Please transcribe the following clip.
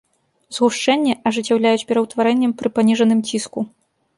Згушчэнне ажыццяўляюць пераўтварэннем пры паніжаным ціску.